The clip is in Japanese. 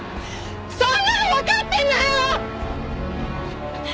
そんなのわかってんのよ！